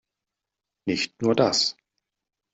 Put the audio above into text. Nicht nur das.